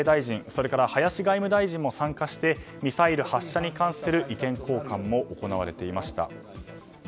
それから林外務大臣も参加して、ミサイル発射に関する意見交換が行われていました。